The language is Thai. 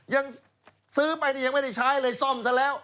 ยังซื้อไปนี่ยังไม่ได้ใช้เลยซ่อมซะแล้ว